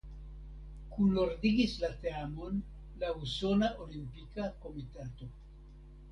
Kunordigis la teamon la Usona Olimpika Komitato.